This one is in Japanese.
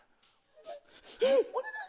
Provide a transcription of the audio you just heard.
お願い！